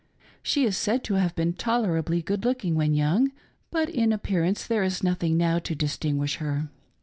She is said to have been tolerably good looking when young, but in appearance there is nothing now to distinguish her.